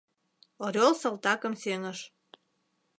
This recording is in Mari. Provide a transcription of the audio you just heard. Орёл салтакым сеҥыш.